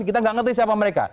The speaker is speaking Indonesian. kita tidak mengerti siapa mereka